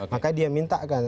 maka dia minta kan